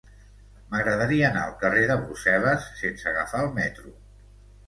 M'agradaria anar al carrer de Brussel·les sense agafar el metro.